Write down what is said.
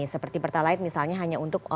seperti pertalite misalnya hanya untuk